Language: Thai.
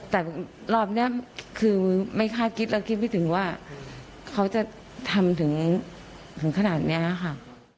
แต่รอบนี้คือไม่คาดคิดแล้วคิดไม่ถึงว่าเขาจะทำถึงขนาดนี้ค่ะ